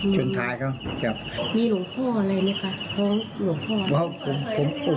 สุดท้ายก็จะจับ